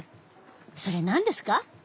それ何ですか？